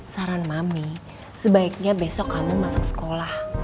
saran mami sebaiknya besok kamu masuk sekolah